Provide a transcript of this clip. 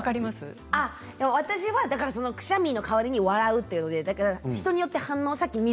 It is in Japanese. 私は、くしゃみの代わりに笑うというので人によって反応がね。